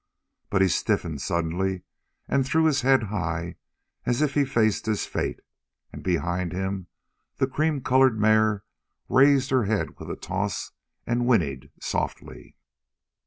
But he stiffened suddenly and threw his head high as if he faced his fate; and behind him the cream colored mare raised her head with a toss and whinnied softly.